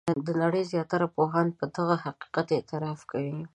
د نړۍ زیاتره پوهان په دغه حقیقت اعتراف کوي.